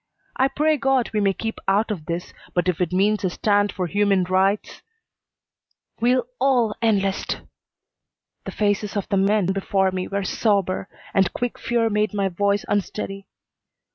I pray God we may keep out of this, but if it means a stand for human rights " "We'll all enlist!" The faces of the men before me were sober, and quick fear made my voice unsteady.